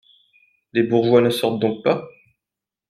Les bourgeois ne sortent donc pas ?